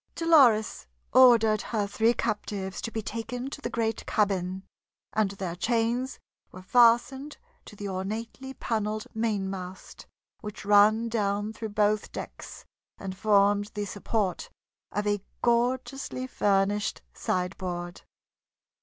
Dolores ordered her three captives to be taken to the great cabin, and their chains were fastened to the ornately paneled mainmast which ran down through both decks and formed the support of a gorgeously furnished sideboard.